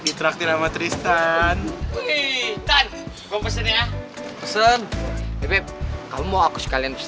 ditraktir sama tristan dan komponen ya pesen kamu mau aku sekalian